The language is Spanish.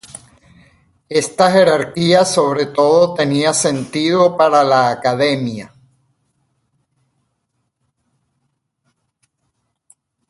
Esta jerarquía sobre todo tenía sentido para la Academia.